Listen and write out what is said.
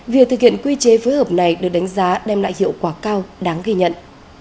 việc thực hiện quy chế phối hợp này được đánh giá đem lại hiệu quả cao đáng ghi nhận